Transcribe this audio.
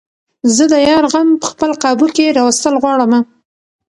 زۀ د يار غم په خپل قابو کښې راوستل غواړمه